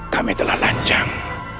kami telah lancang